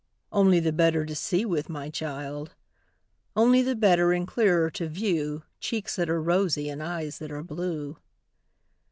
Only the better to see with, my child! Only the better and clearer to view Cheeks that are rosy and eyes that are blue.